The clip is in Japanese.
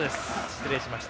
失礼しました。